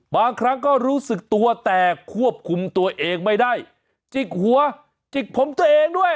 บางครั้งก็รู้สึกตัวแต่ควบคุมตัวเองไม่ได้จิกหัวจิกผมตัวเองด้วย